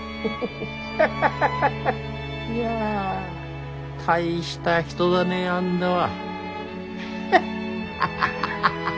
ハハハハいや大した人だねあんだは。